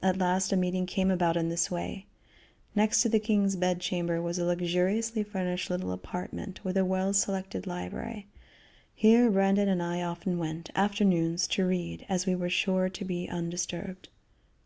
At last a meeting came about in this way: Next to the king's bed chamber was a luxuriously furnished little apartment with a well selected library. Here Brandon and I often went, afternoons, to read, as we were sure to be undisturbed.